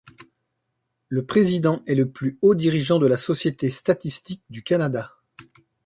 Le président est le plus haut dirigeant de la Société statistique du Canada.